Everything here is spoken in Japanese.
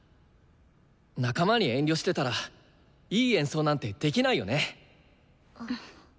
仲間に遠慮してたらいい演奏なんてできないよね。